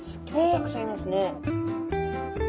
たくさんいますね。